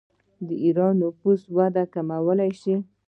د ایران د نفوس وده کمه شوې.